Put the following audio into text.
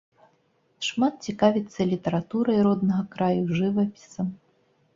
Шмат цікавіцца літаратурай роднага краю, жывапісам.